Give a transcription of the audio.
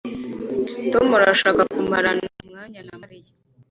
Tom arashaka kumarana umwanya na Mariya